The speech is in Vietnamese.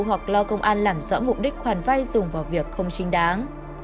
hoặc lo công an làm rõ mục đích khoản vay dùng vào việc không chính đáng